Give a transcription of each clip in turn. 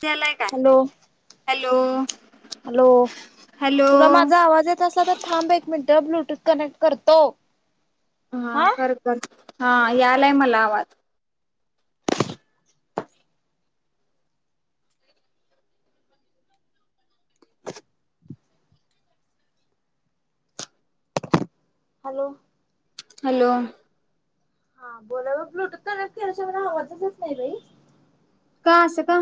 केलाय काय? Hello hello. Hello hello तुला माझा आवाज येत असला तर थांब एक मिनट ब्लू. कनेक्ट करतो. हा कर कर हा यालाय मला आवाज. हॅलो. हॅलो. हा बोला ब्लूटूथ कनेक्ट केल्याशीवाय मला आवाजच येत नाही बाई. का असं का?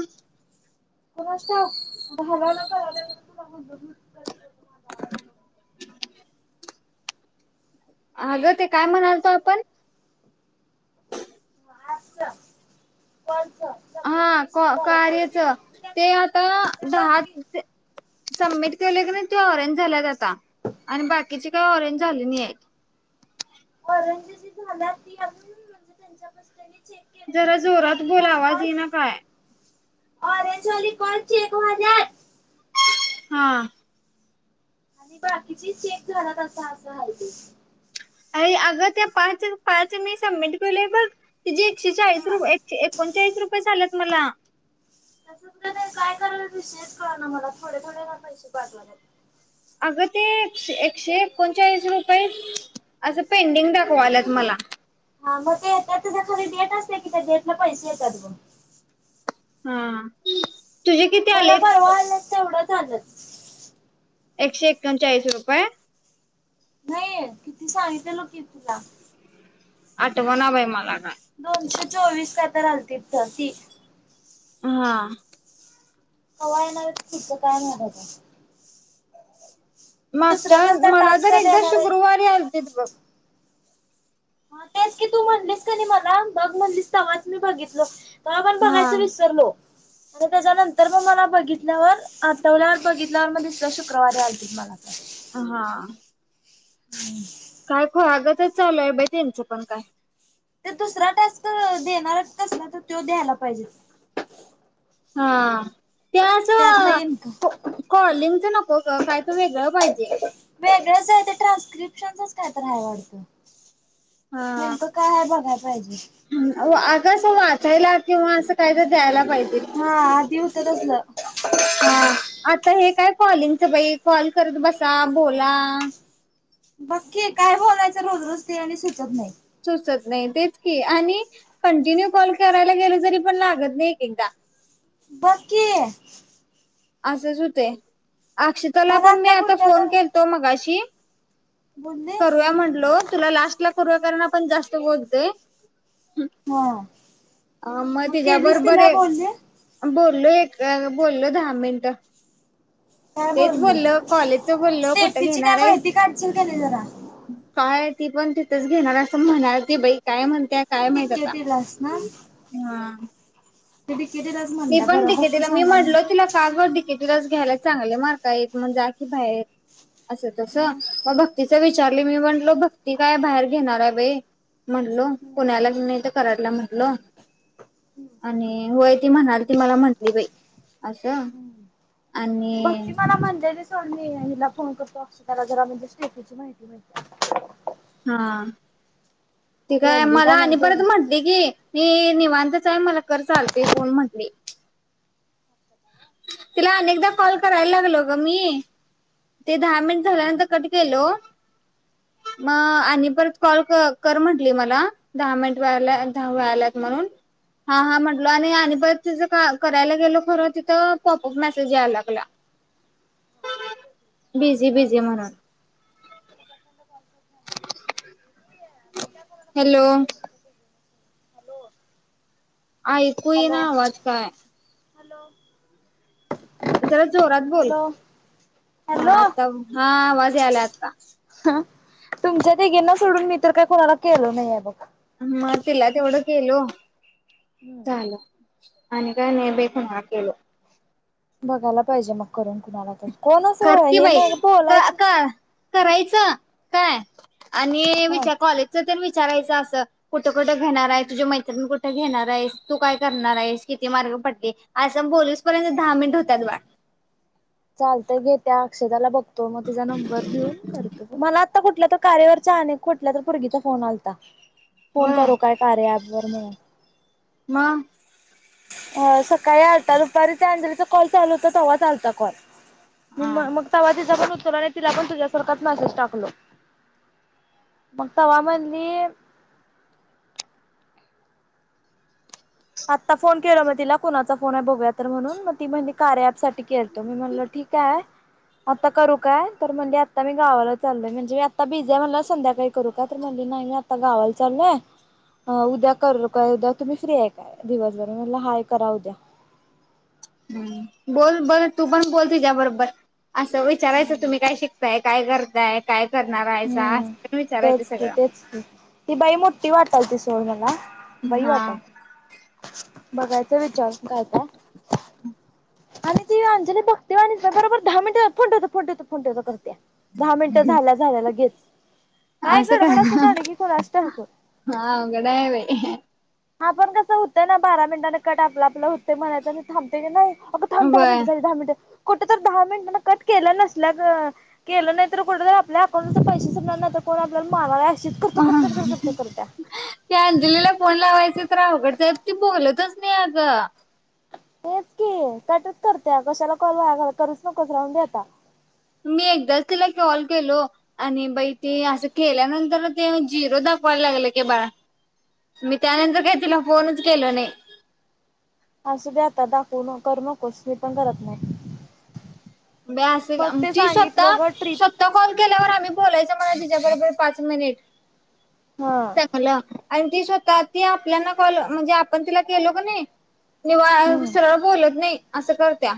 कुणाच ठाऊक घालायला करायलो बग [unintelligible] [unintelligible] अगं ते काय म्हणालतो आपण. [unintelligible] सबमिट हा क केसरी झाला सगळं कार्याच ते त्या आता. बघ दहा की सबमिट केलोय की नाही ते ऑरेंज झाल्यात आता आणि बाकीचे काही माझं पण ऑरेंज तसंच झाले नाही झालं आहेत. झाल्यात [unintelligible] जरा जोरात बोलावाज ये ना काय. ऑरेंज वाले कॉल चेक व्हाल्यात. हा. आणि बाकीची चेक झालात असा असं हाय ते. अर अग त्या पाच पाच मी सबमिट केलय बघ. ती एकशे चाळीस हा र एके एकोणचाळीस रुपये झाल्यात. मला. तसंच नाही काय करायला विषयच कळ ना मला थोडे थोडे ना पैसे पाठवा लेत. अगं ते एकशे एकोणचाळीस रुपये असं पेंडिंग दाखवा ल्यात मला. हा मग ते येत्यात तेझ्या खाली डेट असते कि त्या डेटला पैसे येतात बग. हा. तुझे किती मला आलेत परवा आलेत तेवढंच. आलेत. एकशे एकोणचाळीस रुपये. नाये किती सांगितलेली की? तुला. आठवणा बाई मला. काय. दोनशे चोवीस काय [unintelligible] हा. कवा येणार आहेत पुढच काय माहिती आता. ते दुसरा मागच्या कसला मला टास्क तर एकदा देणार आहेत शुक्रवारी आते बघ. हा तेच की, तू म्हणलीस का नाही मला बघ म्हणलीस तवाच मी बघितलो. तवा पण हा. बघायच विसरलो. आणि त्याच्यानंतर मग मला बघितल्यावर, आठवल्यावर बघितल्यावर मग दसऱ्या शुक्रवारी आलतीत मला. ह हा. हम् काय खुळ्यागंच चालूय बाई त्यांचं पण काय. ते दुसरा टास्क देणार आहेत तसला तर तो द्यायला पाहिजेत. हा. ते असं इनकम काॅ कॉलिंगच नको गं काय तर वेगळं पाहिजे. च आहे ते ट्रान्स्क्रिप्शनचच काय तर आहे वाटतं. नेमक काय आहे बघाय पाहिजे. आवा अग अस वाचायला किंवा असं काय तर द्यायला. पाहिजे, हा आधी होत तसलं हा आता हे काय. कॉलिंगच बाई कॉल करत बसा, बोला. बक्की काय बोलायचं रोज रोज ते आणि सुचत नाही. सुचत नाही तेच की आणि. कंटिन्यू कॉल कर फिरायला गेल तरी पण लागत नाही एकेक दा. बक्की. असच हुतंय. अक्षताला मला पण मी आता. कुठल्या फोन तर केलतो मगाशी. बोलली करूया म्हटलो. तुला लास्ट ला करुया कारण आपण जास्त बोलतोय. हा मग तिच्या केलीस बरोबर तिला एक. बोलली बोललो एक बोललो दहा. मिनटं. काय तेच बोलली बोललो कॉलेजच बोललो, कुठं स्टेफीची घेणार काय आहेस माहिती काढशील का नाही जरा काय? ती पण तिथेच घेणार असं म्हणालती बाई काय म्हण त्या काय माहित आता. डिकेटीलाच ना हा ते डी. ती पण, डी के टी ला. मी म्हटलो तिला का गं डी के टी लाच घ्याल्यास. चांगले मार्क आहेत मं जा की बाहेर. असं तस मग म भक तिच विचारली, मी म्हटलो भक्ती काय बाहेर घेणार हाय बाई म्हणलो, पुण्याला नाही तर कराडला म्हटलो आणि होय ती म्हणालती, मला म्हटली बाई असं. आणि भक्ती मला म्हणल्यालीच सोरणी हिला फोन करतो, अक्षताला जरा म्हनजे स्टेटेची माहिती मिळत्या हा. ते काय आणली मला का नाही आणि ते परत म्हटली की ती निवांतच हाय, मला कर चालतय फोन म्हटली. तिला अनेकदा कॉल करायला लागलो ग मी. ते दहा मिनिट झाल्यानंतर कट केलो म आणि परत कॉल क कर म्हटली मला, दहा मिनिट व्हायला धा व्हायल्यात म्हणून हा हा म्हटलो आणि आणि परत तिज का करायला गेलो खरं, तिथं पॉपअप मेसेज यायला लागला. बिझी बिझी म्हणून हॅलो. आयकू हॅलो ईना आवाज काय? हॅलो जरा जोरात बोल. हॅलो हा आता, हॅलो हा आवाज यालाय आता. तुमच्या तिघीना सोडून, मी तर काय कोणाला केलो नाहीे ए बघा. म तिला तेवढं केलो बघ झालं आणि काय नाही बाई कुणाला केलो. बघायला पाहिजे मग करून कुणाला तर. कोणच कर की हे बाई नाही क बोलायचं. क करायचं काय? आणि हा विचार कॉलेजचा तर विच विचारायचं असं कुठं-कुठ घेणार आहे. तूझी मैत्रिण कुठं घेणार आहेस. तू काय करणार आहेस. किती. मार्क पडले. असं बोलूस पर्यंत. दहा मिनिट होतात बाळ. चालतय घेत्या अक्षदा ला बघतो. तो मग तेच नंबर घेऊन करतो. ग. मला पण कुठल्या तर कार्यावरच्या. आणि कुठल्या तर पुरगीचा फोन आलता. फोन होय करू काय कार्या ॲपवर मधून. मग हा सकाळी. सकाळी अंधार आलेला. कॉल चालू होता तेव्हा आलता कॉल. हा मग तवा तिचा पण एक. तिला पण तुझ्यासारख मसेज टाकलो. मग तवा म्हनली. आत्ता फोन केलं मग तिला कुणाचा फोन आहे बघूया तर म्हणून. मग ती म्हणली कार्य आप साठी केलतो. मी म्हणल ठीक आहे. आता करू काय तर म्हणली आता मी गावाला चालोय. म्हणजे मी आता बिझी आहे. म्हणल संध्याकाळी करू काय तर म्हणली नाही मी आता गावाला चालोय. उद्या करू काय उद्या तुम्ही फ्री आहे. दिवसभर मग म्हणली हाय करा द्या. हम्म बोल-बोल तू पण बोल तुझ्या बरोबर. आस विचारायचं, तुम्ही काय शिकताय? काय करताय? काय करणार आहेसा असं हम्म पण विचारायचं तेच कि, सगळं तेच कि, ती बाई मोठी वाटालती सोड मला. बाई हा वाटालीया. बघायच विचारून काय काय? आणि ती अंजली भक्ती वानी, बरोबर दहा मिनिट फोन ठेवतो, फोन ठेवतो करतिया. दहा मिनटं झाल्या झाल्या लगेच, काय असं का गडबड असतीया दांडगी कूणास ठावं? हा अवघड आहे बाई हा आपण कसं होतंय ना, बारा मिनटांन कट, आपलं आपलं होतंय म्हणायचं आणि थांबतय की नाही अगं थांब! दहा मिनट बर झाली, दहा मिनट. कुठ तर, दहा मिनटांन कट केला नसल्यान केलं नाही तर, कुठ आपल्या अकाऊंट तर पैसे संपणार नाही तस, कोण आपल्याला मारालाय अशी करतिया, कटकट कट करतीया त्या अंजलीला फोन लावायचे तर अवघडचं हाय ती बोलतचं‍ मी आगं हेच की, कटच करतिया कशाला काॅल वाया घालायचा, करूच नकोस राहून दे आता मी एकदाच तिला कॉल केलो आणि बाई ते असं केल्यानंतर, ते झिरो दाखवायला लागलं कि बाळं मी त्यानंतर काय तिला फोनचं-‍- केल नाही [inaudible] असूदे आता दाखवन करू नकोस मी पण करत नाही [inaudible] [inaudible] बया अस मग ते आमची सांगितलो स्वतः ग ट्रिप स्वतः कॉल केल्यावर आम्ही बोलायच म्हणं त तिच्या बरोबर पाच मिनिट [inaudible] हा [inaudible] त्यागलं आणि ती स्वतः ती आपल्याना कॉल म्हणजे आपण तिला केलो का नाही. [inaudible] निवांळ हम्म सरळ बोलत नाही. असं करत्या-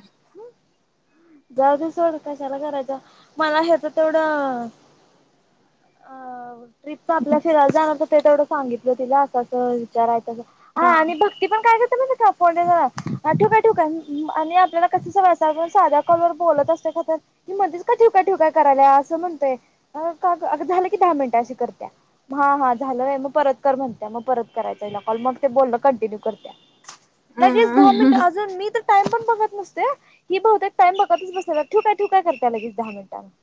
[inaudible] जाऊ सोड कशाला करायचं मला ह्याच तेवढं [inaudible] अ ट्रिपच आपल्या फिरायला जाणार तर ते तेवढं सांगितलं तिला असं अस विचारायचं [unintelligible] हा आणि भक्ती पण काय कर [unintelligible] ठेऊ काय ठेऊ काय [unintelligible] आणि आपल्याला कशी सवय, [unintelligible] कॉल वर बोलत असतिया करतिया ही मधीचं काय ठेवू काय ठेवू काय करालिया असं म्हणतोय [inaudible] अ का गं अगं झालं की दहा मिनटं अशी करतीया म हा हां झालं होय मग परत कर म्हणतिया मग परत करायचंय हीला कॉल मग ते बोलणं कंटिन्यू करतीया. [inaudible] [inaudible] लगेच दहा मिनिट हम्म अजून मी तर टाईम पण बघत नसतोय [inaudible] ही भोवतेक टाईम बघतचं बसलिया ठूऊ काय ठूऊ काय करतीय लगेच दहा मिनिटांंनि, [inaudible]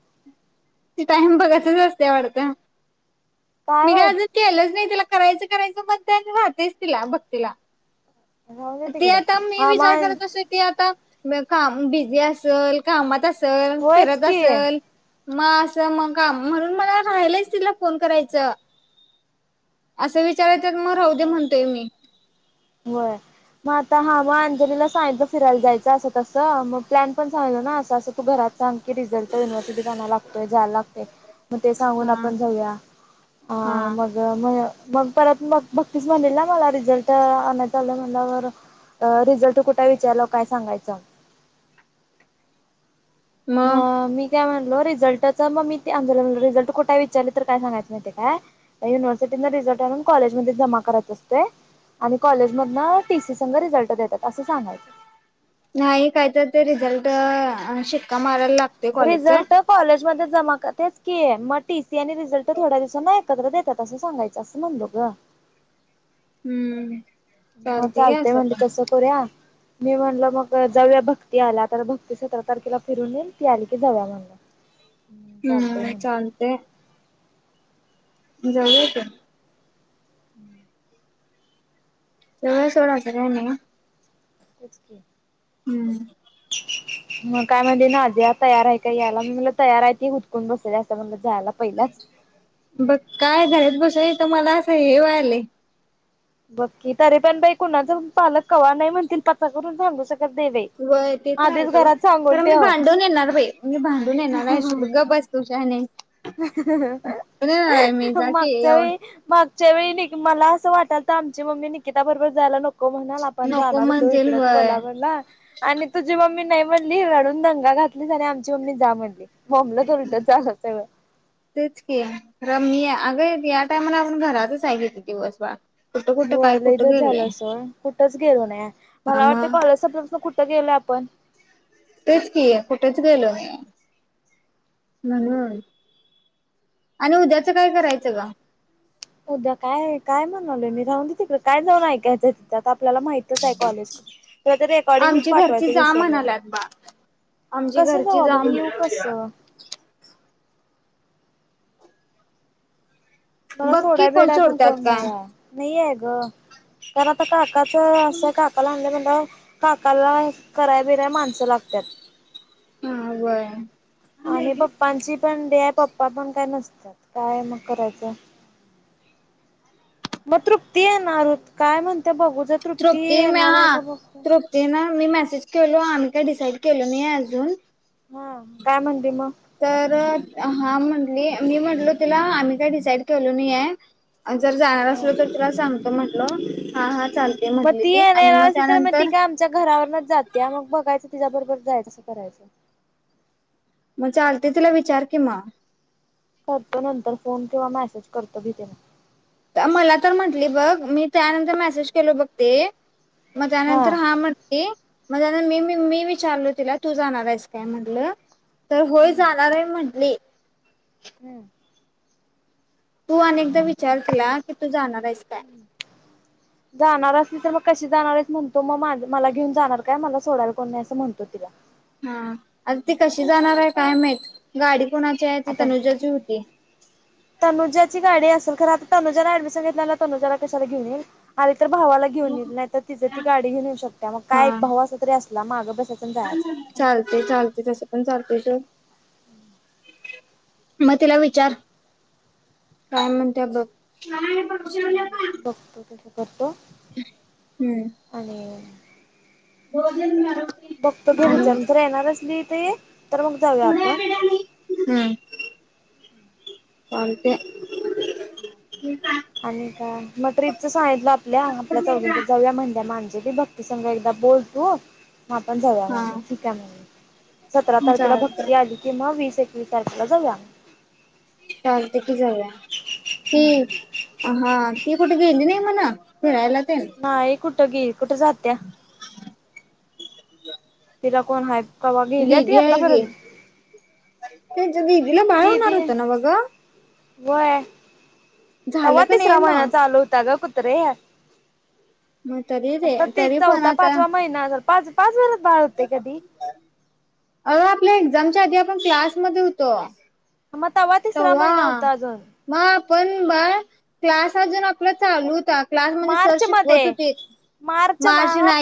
[inaudible] ती टाईम बघतच असतीया वाटतं [inaudible] [inaudible] मी काय अजून केलं नाही तिला करायचं करायचं म्हणते आणि राहतयचं तिला भक्तीला [inaudible] राहूदे ती तिकडं आता मी हा विचार मान करत आसतोय की आता म काम बिझी असलं. कामात अस ल होयच फिरत की असलं मग असं म का म्हणून मला राहिलंच तिला फोन करायचं असं विच विचारांच्या मग राहूदे म्हणतोय मी होय. मग आता हा मग अंजलीला सांगितलं फिरायला जायचं. असं तसं मग प्लॅन पण सांगितलो ना. असं-अस तू घरात सांग की रिझल्ट युनिव्हर्सिटीत आणय लागतोय जायला लागतंय मग ते सांगून हा आपण घऊया अ हा मग म. मग परत मग. भक्तीच म्हणेल ना मला रिझल्ट आणाय आलं म्हलावर रिझल्ट कुठे विचारला काय सांगायचं? म मग मी काय म्हण रिझल्टच मग मी रिझल्ट कुठे विचारले तर काय सांगायचं काय. युनिव्हर्सिटी रिझल्ट आणून कॉलेजमध्येध्ये जमा करायच असते. आणि कॉलेज मधन टी. सी संघ रिझल्ट देतात असं सांगायच. नाही काही तर ते रिझल्ट शिक्का मारायला लागत रिझल्ट कॉलेजमध्ये जमा तेच क मग. टी. सी आणि रिझल्ट थोड्या दिवसांना एकत्र देतात. असं सांगायचं असं म्हणलो ग. हम्म. मग चालते घ्या चालतंय असं म्हनली पण तसं करूया. मी म्हणल मग जाऊया भक्ती आल्या तर. भक्ती सतरा तारखेला फिरून येईल ती आली की जाऊया म्हणलं. चालतंय हम्म म्हणली चालतय. जाऊया की. हम्म [unintelligible] तेव्हा सारखं व्हायचं नाहीं नव्ह. व्हायचं की. हम्म. मग काय म्हणजे नाझिया तयार आहे की. याला म्हनल तयार आहे तीच हुतकून बसल्या म्हणल. बघ काय झाडत बसाय तर मला असं हे व्हालय. बक्की तरीे पण बाई कोणाच पालक कवा नाही म्हणलीत. पचका सांगू शकतो. वय ते तर हाय सोड. सांगून खरं मी ठेव भांडून येणार बाई मी भांडून येणार आहे. सोड गप्प बस तु शहानि हाईस. मागच्या जा की यावर वेळी माग, मागच्या वेळी मला असं वाटलंत आमची मम्मी निकिता बरोबर जायला नको. म्हणल आपण नको जाणार होतो. इकड म्हणतील व्हय कोल्हापूला आणि तुझी मम्मीन. नाही म्हणली. रडून दंगा घातलीस आणि आमची मम्मी जा म्हणली. बोंबलत उलटच झालं त्यावेळी. तेच की खर मी. अगं या टायमाला आपण घरातच आहे किती दिवस बाळ. कुठं कुठं होय काय कुठं लैधच गेले झालं हा सोड. कुठंच गेलो नाही. मला वाटते मग कॉलेज सपल्यापासून कुठं गेलोय आपण. तेच कि. कुठेच गेलो नाही आहे. म्हणून. आणि उद्याच काय करायचं. सगळा. उद्या काय-काय म्हणालोय मी राहूनदे तिकड काय जाऊन ऐकायच हाय तिथे आता. आपल्याला माहितच आहे कॉलेज. तुला ते रेकॉर्डिंग एक आमची घरची पाठवायचं जा विसरलं म्हणाल्यात बाळ आमची कस जाऊ. घरची अग जा मी येऊ कस. मला बघ की सोडा-भीडाय पण कोण सोडत्यात नाही काय आहेत. नाही आहेत. ग तर आता का काका च असं काकाला म्हणलो बिनलो. काकाला कराय-बिराय माणसं लागतात. हा व्हाय. आणि पप्पांची. पण डे आहे. पप्पा पण काय नसतात. काय मग करायचं. मग तृप्ती येणार होती काय म्हणती. तृप्ती मी, हा. तृप्ती ना मी मेसेज. केलो आम्ही का डिसाईड केलो नाही अजून. हा काय म्हणते मग तर. हा म्हटली. मी म्हटलो तिला. आम्ही काय डिसाईड केलो नाहीय. जर जाणार ह असलो तर तुला सांगतो म्हटलो. म्हणलो हा हा. चालते मग म्हटली ती आणि येणार असली तर. मग ती त्यानंतर का आमच्या घरावरनच जात्या मग बघायचं तिच्याबरोबर जायच असं करायचं. मग चालतंय. तिला विचार की मग. करतो नंतर फोन किंवा मेसेज करतो. मी तिला. मला तर म्हंटली बघ. मी त्यानंतर मेसेज केलो बघ ते. मग त्यानंतर हा म्हंटली. मग त्यानंतर मी मी मी विचारलो तिला तू जाणार आहेस काय म्हटलं? तर होय हम्म जाणार आहे म्हंटली. हम्म तू आणि विचार तिला की तू जाणार आहेस काय? जाणार असली तर मग कशी जाणार आहे म्हणतो मग मला घेऊन जाणार काय मला सोडायला कोण नाही असं म्हणतो तिला. हा आता ती कशी जाणार आहे काय माहित. गाडी कोणाची आहे त आता तनुजाची होती. खरंतर आता तनुजा डमिशन घेतला तर तनुजा ला कशा घेऊ मी. तर भावाला घेऊन येईल नाही तर तिच ती गाडी घेऊन शकते मग हा काय एक भाव असल तरी अस तिला मागे बस चालते चालते तसं पण चालते सोड. मग तिला विचार काय म्हण त्या बघ. बघतो त्याच्यात आणि.. भोजन न्यारो बघतो की विचारून तू येणार असली तर ये तर मग जाऊया आपण. चालतंय. आणि काय म ट्रीप च सांगितलं आपल्या आपल्या चौघींच्या जवळ म्हणल्या माा म्हणजे ते भक्तीसघ एकदा बोलतो म आपण जाऊया म्हटलं हा ठीक आहे म्हटलं. सतरा तारखेला चालतंय भक्ती आली म किंवा वीस एक तारखेला जाऊया. चालतय. की जाऊया पी हा. ती कुठे गेली नाही म्हण फिरायला तेन नाही कुठं गेली कुठं जातिया? तिला कोण आहेत? कवा गेलिया ती दिदी आता पर्यंत. ह. दिदी ला बाळ होणार होतं नव्ह ग. व्हय. तव्हा नाही तिसरा महिना मग चालू होता ग कु कुत्रे.... मग तरी रे आता ते तरी पण चौथा आता पाचवा महिना असल. पाच पाच महिन्यांत बाळ व्हतय कधी? एक्स्मामच्या आधी [inaudible] आपण क्लासमध्ये होतो. मग तवा तिसरा महिना होता अजून. पण बाळ क्लास अजून आपला चालू व्हूता. क्लासमध्ये सर मार्च शिकवत मध्ये होते [inaudible] मार्च नाही